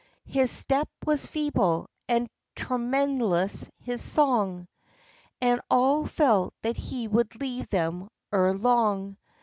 His step was feeble, and tremulous his song; And all felt that he would leave them ere long.